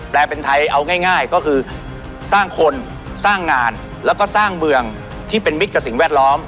เป็นไทยเอาง่ายก็คือสร้างคนสร้างงานแล้วก็สร้างเมืองที่เป็นมิตรกับสิ่งแวดล้อม